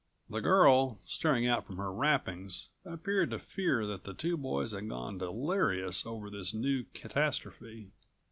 The girl, staring out from her wrappings, appeared to fear that the two boys had gone delirious over this new catastrophe.